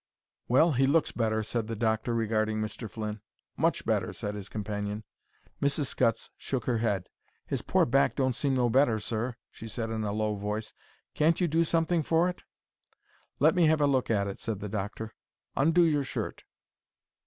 "Well, he looks better," said the doctor, regarding Mr. Flynn. "Much better," said his companion. Mrs. Scutts shook her head. "His pore back don't seem no better, sir," she said in a low voice. "Can't you do something for it?" "Let me have a look at it," said the doctor. "Undo your shirt."